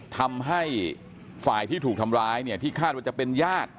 ทำให้ฝ่ายที่ถูกทำร้ายเนี่ยที่คาดว่าจะเป็นญาติ